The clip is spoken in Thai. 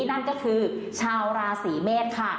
นั่นก็คือชาวราศีเมษค่ะ